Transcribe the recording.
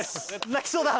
泣きそうだ